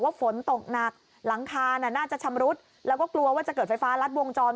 ฝนตกหนักหลังคาน่ะน่าจะชำรุดแล้วก็กลัวว่าจะเกิดไฟฟ้ารัดวงจร